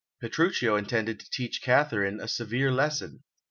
Petruchio intended to teach Katharine a severe lesson.